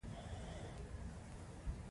دا لیدلوری دیني او مذهبي بڼه لري.